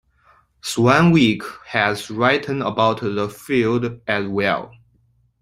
Swanwick has written about the field as well.